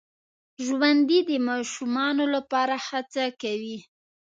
ژوندي د ماشومانو لپاره هڅه کوي